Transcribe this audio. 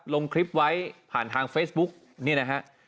ลงคลิปไว้ผ่านทางเฟซบุ๊กนี่นะฮะ